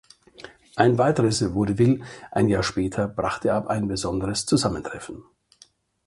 Ein weiteres Vaudeville ein Jahr später brachte aber ein besonderes Zusammentreffen.